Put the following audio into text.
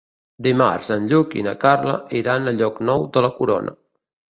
Dimarts en Lluc i na Carla iran a Llocnou de la Corona.